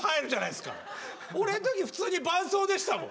最初から俺の時普通に伴奏でしたもん。